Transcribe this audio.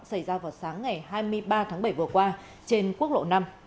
xảy ra vào sáng ngày hai mươi ba tháng bảy vừa qua trên quốc lộ năm